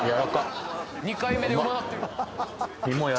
２回目でうまなってるははは